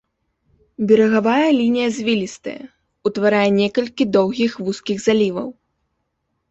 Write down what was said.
Берагавая лінія звілістая, утварае некалькі доўгіх вузкіх заліваў.